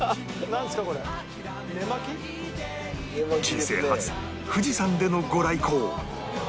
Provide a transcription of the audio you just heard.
人生初富士山での御来光